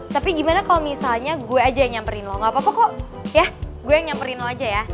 tapi gimana kalo misalnya gue aja yang nyamperin lo gapapa kok ya gue yang nyamperin lo aja ya